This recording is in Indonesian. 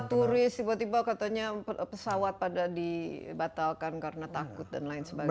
turis tiba tiba katanya pesawat pada dibatalkan karena takut dan lain sebagainya